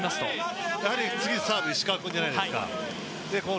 やはり次、サーブ石川君じゃないですか。